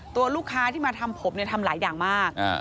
ตัวลูกค้าที่มาทำผมเนี่ยทำหลายอย่างมาก